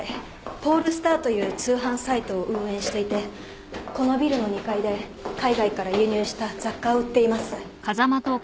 ポールスターという通販サイトを運営していてこのビルの２階で海外から輸入した雑貨を売っています。